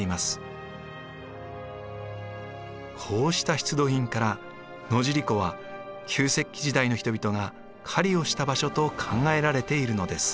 こうした出土品から野尻湖は旧石器時代の人々が狩りをした場所と考えられているのです。